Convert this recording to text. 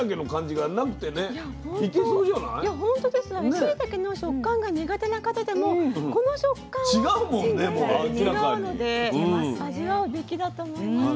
しいたけの食感が苦手な方でもこの食感は違うので味わうべきだと思いました。